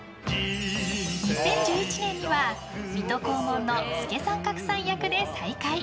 ２０１１年には「水戸黄門」の助さん格さん役で再会。